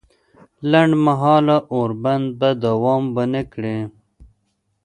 لنډ مهاله اوربند به دوام ونه کړي